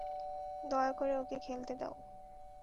দয়া করে ওকে খেলতে দাও।